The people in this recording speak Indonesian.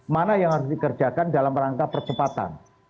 mana yang harus dikerjakan dalam rangka percepatan